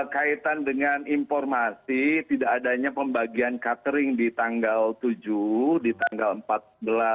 kaitan dengan informasi tidak adanya pembagian catering di tanggal tujuh di tanggal empat belas